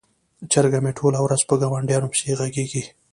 چرګه مې ټوله ورځ په ګاونډیانو پسې غږیږي.